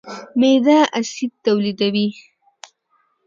معده اسید تولیدوي.